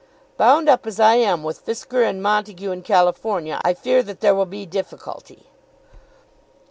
"Bound up as I am with Fisker and Montague in California I fear that there will be difficulty."